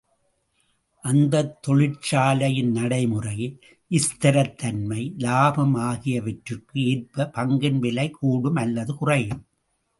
அந்தத் தொழிற்சாலையின் நடைமுறை, ஸ்திரத்தன்மை, இலாபம் ஆகியவற்றிற்கு ஏற்ப பங்கின் விலை கூடும் அல்லது குறையும்.